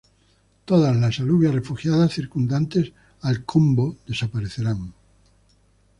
Todas las alubias refugiadas circundantes al combo, desaparecerán.